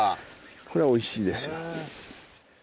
これはおいしいですよ。